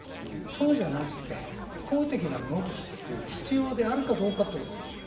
そうじゃなくて、法的なものとして必要であるかどうかです。